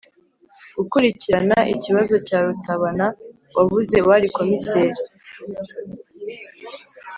gukurikirana ikibazo cya rutabana wabuze, wari komiseri